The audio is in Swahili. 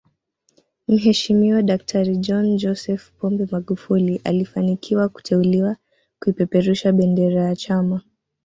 Mheshimiwa daktari John Joseph Pombe Magufuli alifanikiwa kuteuliwa kuipeperusha bendera ya chama